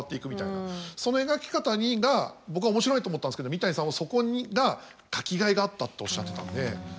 その描き方が僕は面白いと思ったんですけど三谷さんはそこが書きがいがあったっておっしゃってたんで。